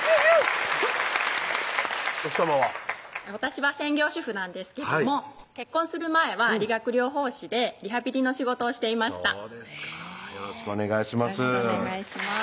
私は専業主婦なんですけども結婚する前は理学療法士でリハビリの仕事をしていましたそうですかよろしくお願いします